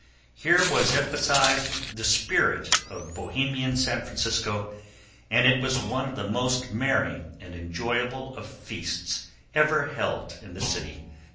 Here was emphasized the spirit of Bohemian San Francisco, and it was one of the most merry and enjoyable of feasts ever held in the city.